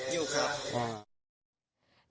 ยังอยู่ครับ